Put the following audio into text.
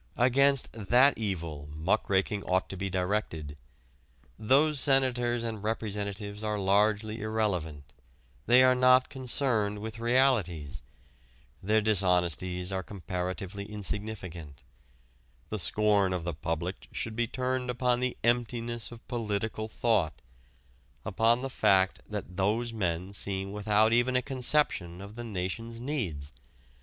Against that evil muckraking ought to be directed. Those senators and representatives are largely irrelevant; they are not concerned with realities. Their dishonesties are comparatively insignificant. The scorn of the public should be turned upon the emptiness of political thought, upon the fact that those men seem without even a conception of the nation's needs.